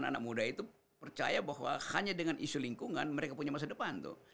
anak muda itu percaya bahwa hanya dengan isu lingkungan mereka punya masa depan tuh